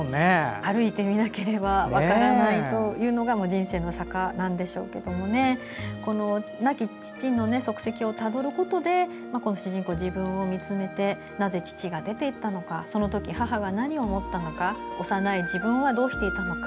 歩いてみなければ分からないというのが人生の坂なんでしょうけども亡き父の足跡をたどることで主人公は自分を見つめてなぜ父が出ていったのかそのとき母が何を思ったのか幼い自分はどうしていたのか。